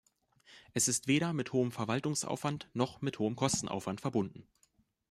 Es ist weder mit hohem Verwaltungsaufwand noch mit hohem Kostenaufwand verbunden.